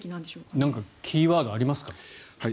何かキーワードはありますか。